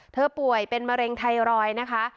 ป่วยเป็นมะเร็งไทรอยด์นะคะ